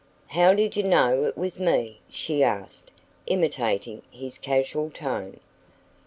"How did you know it was me?" she asked, imitating his casual tone.